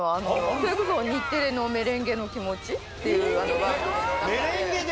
それこそ日テレの『メレンゲの気持ち』っていう番組の中で。